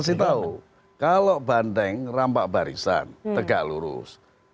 kasih tahu kalau bandeng rampak barisan tegak lurus